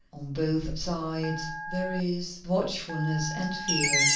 On both sides there is watchfulness and fear.